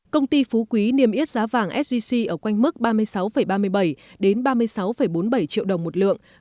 công ty phú quý niêm yết giá vàng sgc ở quanh mức ba mươi sáu ba mươi bảy đến ba mươi sáu bốn mươi bảy triệu đồng một lượng